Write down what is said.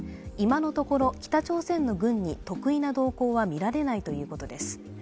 今のところ北朝鮮の軍に特異な動向は見られないということです。